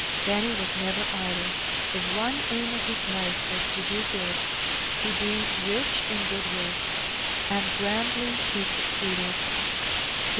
Benny was never idle. • The one aim of his life was to do good, to be "rich in good works;'' and grandly he suc ceeded.